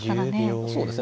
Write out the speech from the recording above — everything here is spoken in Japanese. そうですね。